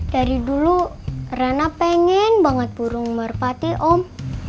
dari dulu rana pengen banget burung merpati om